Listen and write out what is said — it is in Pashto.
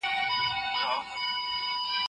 ایا لوی صادروونکي وچ توت پروسس کوي؟